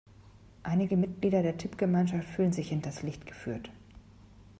Einige Mitglieder der Tippgemeinschaft fühlen sich hinters Licht geführt.